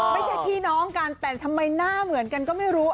พี่น้องกันแต่ทำไมหน้าเหมือนกันก็ไม่รู้